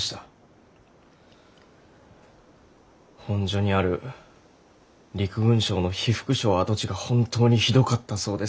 本所にある陸軍省の被服廠跡地が本当にひどかったそうです。